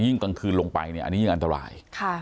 ยิ่งกลางคืนลงไปอันนี้ยิ่งอันตราย